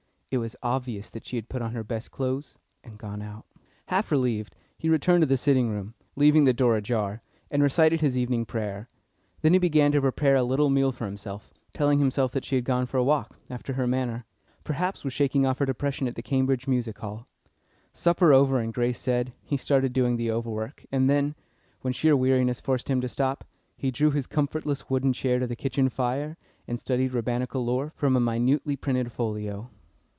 It was obvious that she had put on her best clothes, and gone out. Half relieved, he returned to the sitting room, leaving the door ajar, and recited his evening prayer. Then he began to prepare a little meal for himself, telling himself that she had gone for a walk, after her manner; perhaps was shaking off her depression at the Cambridge Music Hall. Supper over and grace said, he started doing the overwork, and then, when sheer weariness forced him to stop, he drew his comfortless wooden chair to the kitchen fire, and studied Rabbinical lore from a minutely printed folio.